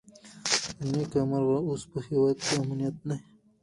له نېکمرغه اوس په هېواد کې امنیت دی.